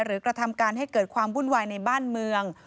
กระทำการให้เกิดความวุ่นวายในบ้านเมือง